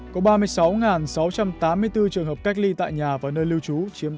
có ba mươi sáu sáu trăm tám mươi bốn trường hợp cách ly tại nhà và nơi lưu trú chiếm tám mươi